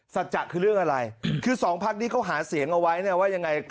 สัจจะคือเรื่องอะไรคือสองพักที่เขาหาเสียงเอาไว้เนี่ยว่ายังไง